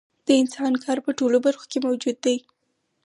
د انسان کار په ټولو برخو کې موجود دی